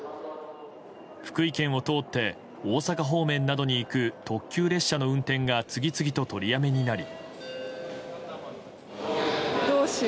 福井県を通って大阪方面などに行く特急列車の運転が次々と取りやめになり。